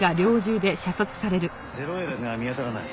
０−Ａだけが見当たらない。